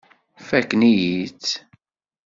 Fakken-iyi-tt.